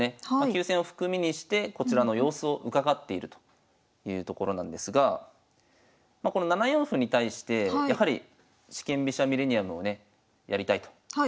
急戦を含みにしてこちらの様子を伺っているというところなんですがこの７四歩に対してやはり四間飛車ミレニアムをねやりたいと。